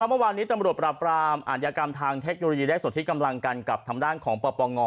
เมื่อวานนี้ตำรวจปราบรามอาธิกรรมทางเทคโนโลยีได้ส่วนที่กำลังกันกับทางด้านของปปง